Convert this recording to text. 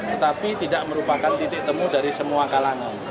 tetapi tidak merupakan titik temu dari semua kalangan